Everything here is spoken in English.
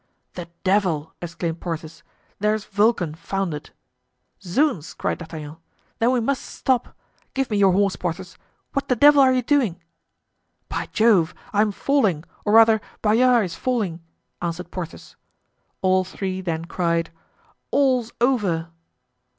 "The devil!" exclaimed Porthos; "there's Vulcan foundered." "Zounds!" cried D'Artagnan, "then we must stop! Give me your horse, Porthos. What the devil are you doing?" "By Jove, I am falling, or rather, Bayard is falling," answered Porthos. All three then cried: "All's over."